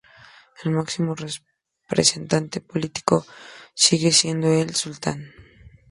El máximo representante político sigue siendo el sultán.